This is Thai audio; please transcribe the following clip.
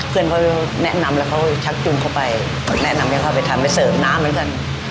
เพื่อนเขาแนะนำแล้วเขาชักจุงเข้าไปแนะนำให้เขาไปทำให้เสิร์ฟน้ำเหมือนกัน